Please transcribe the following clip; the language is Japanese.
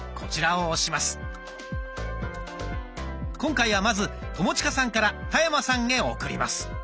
今回はまず友近さんから田山さんへ送ります。